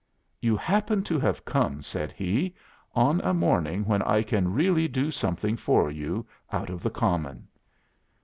'You happen to have come,' said he, 'on a morning when I can really do something for you out of the common.